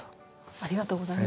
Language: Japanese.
ありがとうございます。